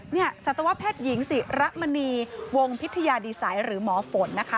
นี่สัตวะแพทย์หญิงสิรมณีวงพิทยาดีไซน์หรือหมอฝนนะคะ